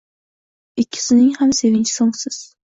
Ikkisnning ham sevinchi so'ngsiz.